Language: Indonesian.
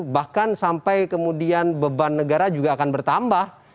bahkan sampai kemudian beban negara juga akan bertambah